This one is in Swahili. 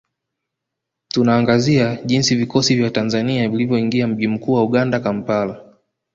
Tunaangazia jinsi vikosi vya Tanzania vilivyoingia mji mkuu wa Uganda Kampala